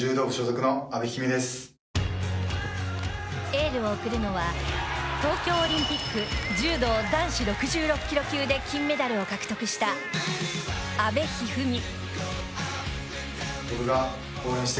エールを送るのは東京オリンピック柔道男子６６ｋｇ級で金メダルを獲得した阿部一二三。